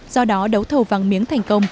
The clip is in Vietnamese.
do đó đấu thầu vàng miếng thành công